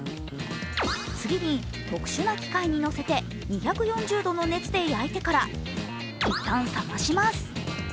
次に特殊な機械に乗せて２４０度の熱で焼いてからいったん冷まします。